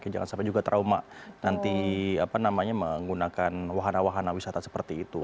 jangan sampai juga trauma nanti menggunakan wahana wahana wisata seperti itu